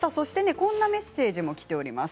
こんなメッセージがきています。